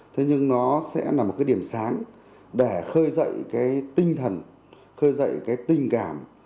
thế nhưng nó sẽ là một cái điểm sáng để khơi dậy cái tinh thần khơi dậy cái tình cảm